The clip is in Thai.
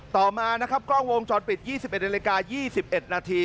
ต่อมานะครับกล้องวงจอดปิด๒๑นาที